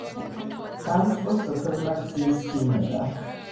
დაუწყო სოფელმა გზირს გინება